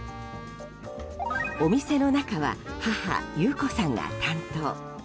お店の中は母・優子さんが担当。